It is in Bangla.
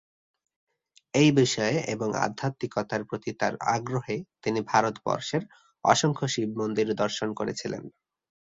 এই বিষয়ে এবং আধ্যাত্মিকতার প্রতি তাঁর আগ্রহে তিনি ভারতবর্ষের অসংখ্য শিব মন্দির দর্শন করেছিলেন।